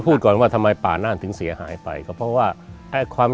ก่อนว่าทำไมป่าน่านถึงเสียหายไปก็เพราะว่าไอ้ความ